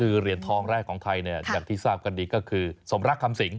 คือเหรียญทองแรกของไทยเนี่ยอย่างที่ทราบกันดีก็คือสมรักคำสิง